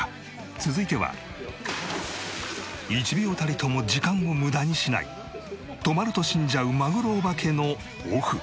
続いては１秒たりとも時間を無駄にしない止まると死んじゃうマグロオバケのオフ。